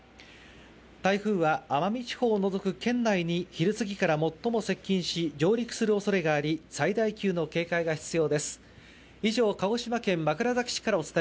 台風は奄美地方を除く県内に昼過ぎから最も接近し上陸するおそれがあり最大級の警戒が必要です。